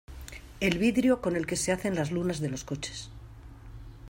el vidrio con el que se hacen las lunas de los coches